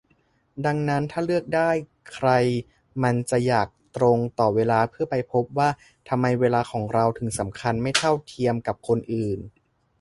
ดังนั้น ถ้าเลือกได้ ใครมันจะอยากตรงต่อเวลาเพื่อไปพบว่า ทำไมเวลาของเราถึงสำคัญไม่เท่าเทียมกับคนอื่น